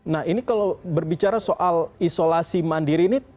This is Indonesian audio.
nah ini kalau berbicara soal isolasi mandiri ini